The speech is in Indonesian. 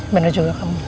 bener juga kamu